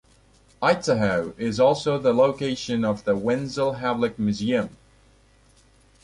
Itzehoe is also the location of the Wenzel Hablik Museum.